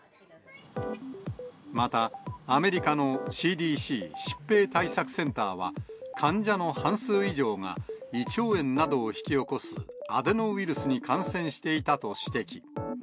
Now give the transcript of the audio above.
また、アメリカのＣＤＣ・疾病対策センターは、患者の半数以上が、胃腸炎などを引き起こすアデノウイルスに感染していたと指摘。